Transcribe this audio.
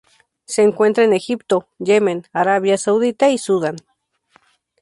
Se encuentra en Egipto, Yemen, Arabia Saudita y Sudán.